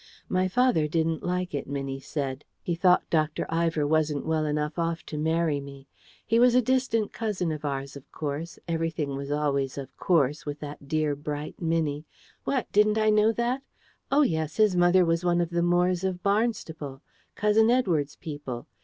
My father didn't like it, Minnie said; he thought Dr. Ivor wasn't well enough off to marry me. He was a distant cousin of ours, of course everything was always "of course" with that dear bright Minnie what, didn't I know that? Oh, yes, his mother was one of the Moores of Barnstaple, cousin Edward's people.